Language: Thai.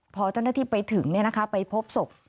พอเจ้าหน้าที่ไปถึงเนี่ยนะคะไปพบศพ